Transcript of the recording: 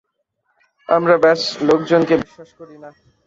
আমরা ব্যস লোকজনকে বিশ্বাস করি না।